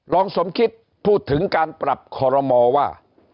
สมคิดพูดถึงการปรับคอรมอว่า